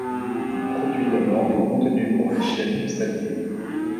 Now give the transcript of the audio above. Il produit d’abord des contenus pour les chaînes du satellite.